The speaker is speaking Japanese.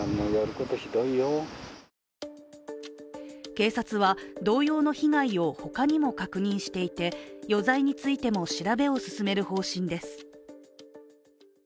警察は同様の被害を他にも確認していて余罪についても調べを進める方針です。